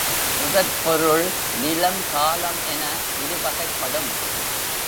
முதற்பொருள் நிலம் காலம் என இருவகைப்படும்.